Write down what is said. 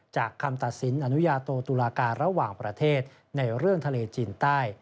คำตัดสินอนุญาโตตุลาการระหว่างประเทศในเรื่องทะเลจีนใต้